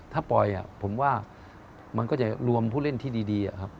ถ้าปล่อยผมว่ามันก็จะรวมผู้เล่นที่ดีครับ